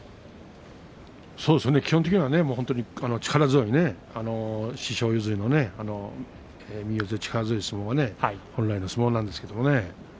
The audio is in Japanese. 基本的にはね力強いね師匠譲りの右四つ力強い相撲本来の相撲なんですけどね。